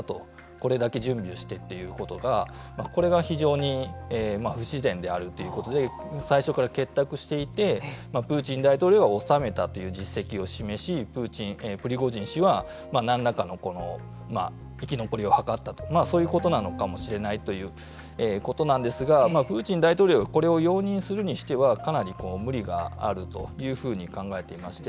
これだけ準備をしてということがこれが非常に不自然であるということで最初から結託していてプーチン大統領は収めたという実績を示しプリゴジン氏は何らかの生き残りを図ったとそういうことなのかもしれないということなんですがプーチン大統領がこれを容認するにしてはかなり無理があるというふうに考えていまして。